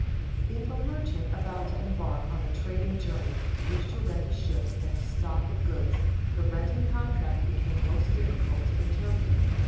If a merchant about to embark on a trading journey wished to rent a ship and a stock of goods, the renting contract became most difficult to interpret.